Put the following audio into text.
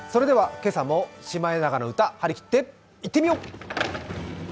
今朝も「シマエナガの歌」はりきっていってみよう！